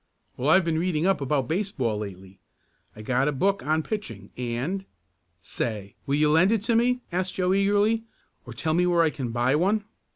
"Well, I've been reading up about baseball lately. I got a book on pitching, and " "Say, will you lend it to me?" asked Joe eagerly. "Or tell me where I can buy one?"